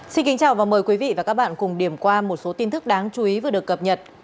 xin kính chào và mời quý vị và các bạn cùng điểm qua một số tin tức đáng chú ý vừa được cập nhật